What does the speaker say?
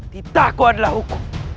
tidakku adalah hukum